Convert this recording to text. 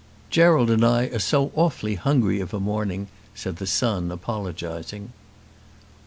"Gerald and I are so awfully hungry of a morning," said the son, apologising.